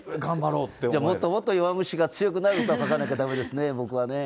もっともっと、弱虫が強くなる歌を書かなきゃだめですね、僕はね。